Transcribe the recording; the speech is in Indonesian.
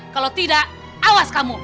kalau tidak awas kamu